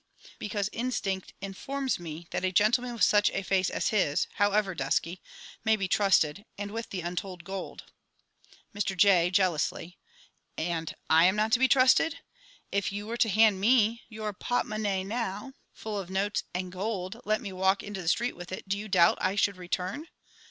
_ Because instinct informs me that a gentleman with such a face as his however dusky may be trusted, and with the untold gold! Mr J. (jealously). And I am not to be trusted! If you were to hand me your portemonnaie now, full of notes and gold, and let me walk into the street with it, do you doubt that I should return?